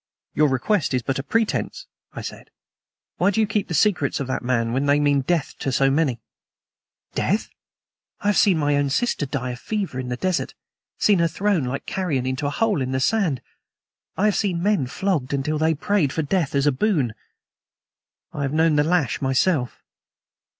"Your request is but a pretense," I said. "Why do you keep the secrets of that man, when they mean death to so many?" "Death! I have seen my own sister die of fever in the desert seen her thrown like carrion into a hole in the sand. I have seen men flogged until they prayed for death as a boon. I have known the lash myself.